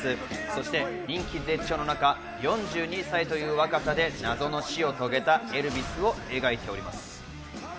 そして人気絶頂の中、４２歳という若さで謎の死を遂げたエルヴィスを描いています。